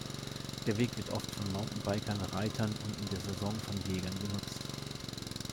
Der Weg wird oft von Mountainbikern, Reitern und in der Saison von Jägern genutzt.